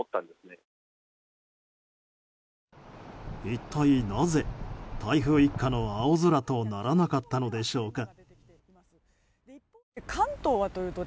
一体なぜ、台風一過の青空とならなかったのでしょうか。